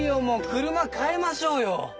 もう車変えましょうよ！